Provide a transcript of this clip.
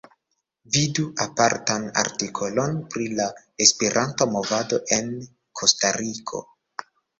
Vidu apartan artikolon pri la Esperanto-movado en Kostariko.